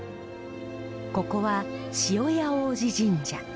ここは塩屋王子神社。